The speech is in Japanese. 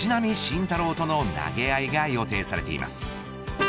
同学年、藤浪晋太郎との投げ合いが予定されています。